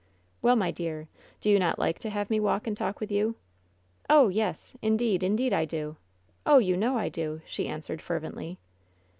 "Well, my dear, do you not like to have me walk and talk with you? "Oh, yes! indeed, indeed I do! Oh, you know I do! she answered, fervently.